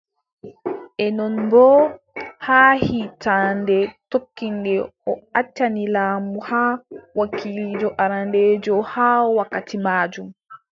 E non boo, haa hiitannde tokkiinde, o accani laamu haa, wakiliijo arandeejo haa wakkati maajum.